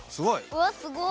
うわっすごっ！